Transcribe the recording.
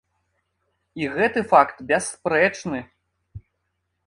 І гэты факт бясспрэчны!